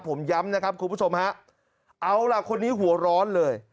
ผมย้ำนะครับคุณผู้ชมฮะเอาล่ะคนนี้หัวร้อนเลย